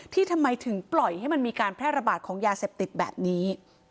ทำไมถึงปล่อยให้มันมีการแพร่ระบาดของยาเสพติดแบบนี้